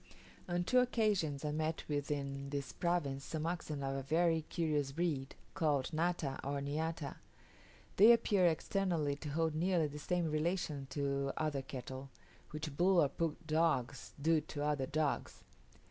On two occasions I met with in this province some oxen of a very curious breed, called nata or niata. They appear externally to hold nearly the same relation to other cattle, which bull or pug dogs do to other dogs.